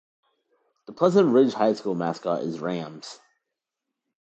The Pleasant Ridge High School mascot is Rams.